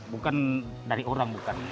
bukan dari orang bukan